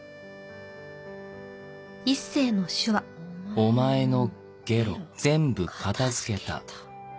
お前のゲロ片付けた。